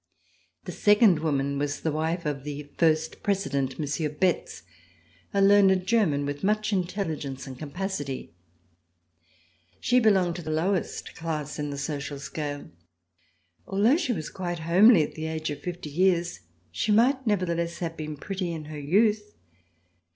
The second woman was the wife of the First President, Monsieur Betz, a learned German with much intelligence and capacity. She belonged to the lowest class in the social scale. Although she was quite homely at the age of fifty years, she might nevertheless have been pretty in her youth.